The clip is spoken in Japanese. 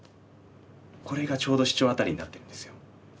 これがちょうどシチョウアタリになってるんですよ。